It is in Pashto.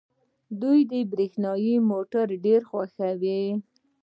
دوی برښنايي موټرې ډېرې خوښوي.